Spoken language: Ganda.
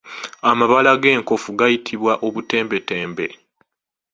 Amabala g’enkofu gayitibwa Obutembetembe.